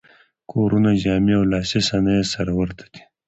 کورونه، جامې او لاسي صنایع یې سره ورته دي.